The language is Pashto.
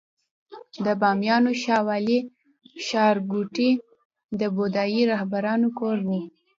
د بامیانو شاولې ښارګوټي د بودايي راهبانو کور و